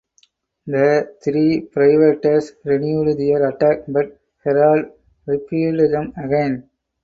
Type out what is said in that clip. The three privateers renewed their attack but "Herald" repelled them again.